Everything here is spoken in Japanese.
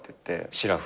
しらふで？